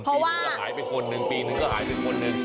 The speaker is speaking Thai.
เพราะว่าปีนึงก็หายไปคนหนึ่งปีนึงก็หายไปคนหนึ่ง